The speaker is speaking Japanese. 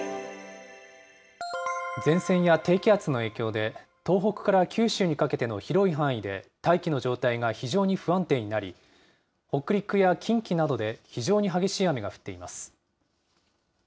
前線や低気圧の影響で、東北から九州にかけての広い範囲で大気の状態が非常に不安定になり、北陸や近畿などで非常に激しい雨が降っています。